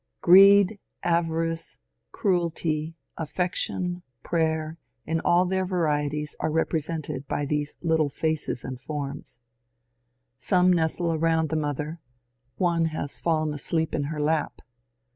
Greed, avarice, cruelty, affection, prayer, in all their varieties are represented by these little faces and forms. Some HOLMAN HUNT 133 nestle around the Mother ; one has fallen asleep in her lap.